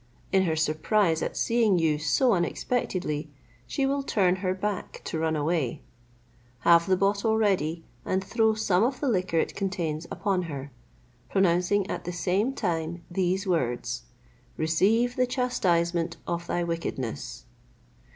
In her surprise at seeing you so unexpectedly, she will turn her back to run away; have the bottle ready, and throw some of the liquor it contains upon her, pronouncing at the same time these words: 'Receive the chastisement of thy wickedness.'